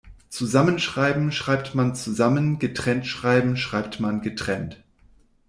Zusammenschreiben schreibt man zusammen, getrennt schreiben schreibt man getrennt.